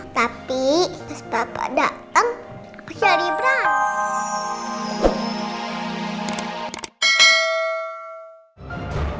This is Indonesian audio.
tapi pas bapak dateng aku cari berang